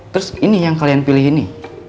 terus ini yang kalian pilih ini